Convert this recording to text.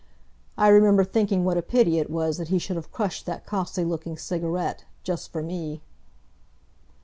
I remember thinking what a pity it was that he should have crushed that costly looking cigarette, just for me.